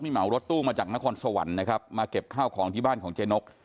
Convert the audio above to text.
เหมารถตู้มาจากนครสวรรค์นะครับมาเก็บข้าวของที่บ้านของเจ๊นก